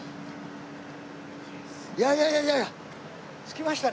いやいやいやいや着きましたね。